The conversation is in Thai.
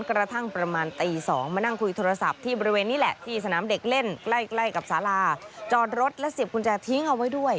กระทั่งประมาณตี๒มานั่งคุยโทรศัพท์ที่บริเวณนี้แหละที่สนามเด็กเล่นใกล้ใกล้กับสาราจอดรถและเสียบกุญแจทิ้งเอาไว้ด้วย